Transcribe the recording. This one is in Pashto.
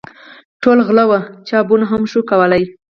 ټول غلي وه ، چا بوڼ هم شو کولی !